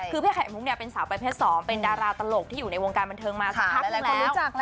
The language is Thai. คือพี่ไข่มุกเนี่ยเป็นสาวแปดแพทย์สองเป็นดาราตลกที่อยู่ในวงการบันเทิงมาสักครั้งแล้ว